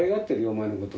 お前のこと。